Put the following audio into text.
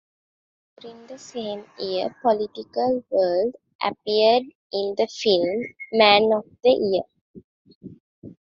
During that same year, "Political World" appeared in the film "Man of the Year".